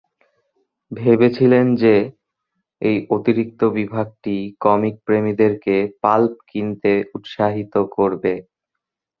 ভেবেছিলেন যে, এই অতিরিক্ত বিভাগটি কমিক প্রেমীদের কে পাল্প কিনতে উৎসাহিত করবে।